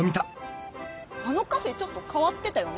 あのカフェちょっと変わってたよね。